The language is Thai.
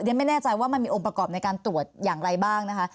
ไม่แน่ใจว่ามันมีองค์ประกอบในการตรวจอย่างไรบ้างนะคะ